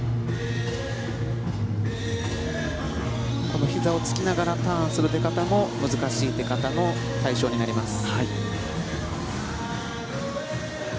このひざをつきながらターンする出方も難しい出方の対象になります。